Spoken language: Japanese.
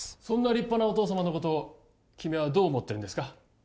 そんな立派なお父さまのことを君はどう思ってるんですか？